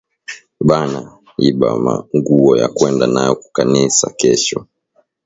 Bana iba ma nguwo ya kwenda nayo kukanisa kesho